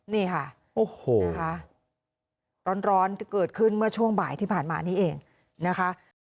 นี่ค่ะโอ้โหนะคะร้อนเกิดขึ้นเมื่อช่วงบ่ายที่ผ่านมานี้เองนะคะ